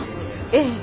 ええ。